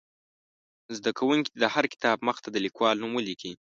زده کوونکي دې د هر کتاب مخ ته د لیکوال نوم ولیکي.